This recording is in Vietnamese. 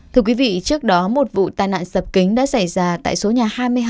thưa quý vị trước đó một vụ tai nạn sập kính đã xảy ra tại số nhà hai mươi hai